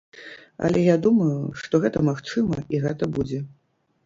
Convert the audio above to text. Але я думаю, што гэта магчыма і гэта будзе.